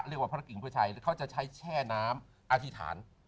เรียกว่าพระกิ่งเพื่อชัยเขาจะใช้แช่น้ำอธิษฐาน